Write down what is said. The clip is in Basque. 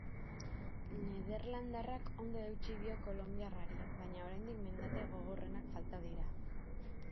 Nederlandarrak ondo eutsi dio kolonbiarrari, baina oraindik mendate gogorrenak falta dira.